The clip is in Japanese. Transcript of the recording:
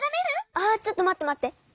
あちょっとまってまって。